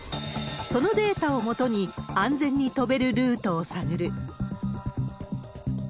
そのデータをもとに、安全に飛べるルートを探る。